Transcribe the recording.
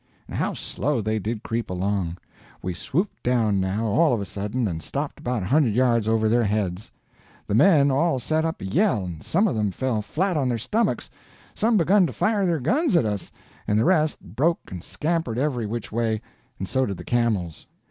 And how slow they did creep along! We swooped down now, all of a sudden, and stopped about a hundred yards over their heads. [Illustration: "We swooped down, now, all of a sudden"] The men all set up a yell, and some of them fell flat on their stomachs, some begun to fire their guns at us, and the rest broke and scampered every which way, and so did the camels.